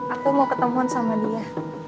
aku mau ketemuan sama dia